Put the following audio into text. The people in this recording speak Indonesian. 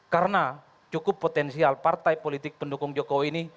karena cukup potensial partai politik pendukung jokowi ini